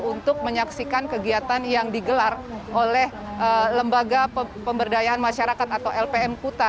untuk menyaksikan kegiatan yang digelar oleh lembaga pemberdayaan masyarakat atau lpm kuta